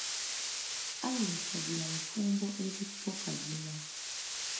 Allen Kagina mufumbo eri Paul Kagina